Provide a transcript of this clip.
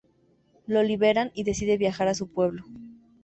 Lo liberan y decide viajar a su pueblo.